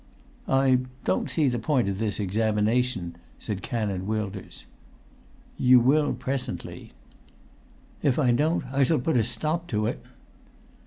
"I don't see the point of this examination," said Canon Wilders. "You will presently." "If I don't I shall put a stop to it!"